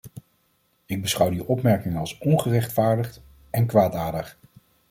Ik beschouw die opmerkingen als ongerechtvaardigd en kwaadaardig.